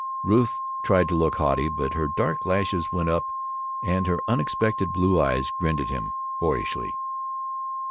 Ruth tried to look haughty, but her dark lashes went up and her unexpected blue eyes grinned at him boyishly.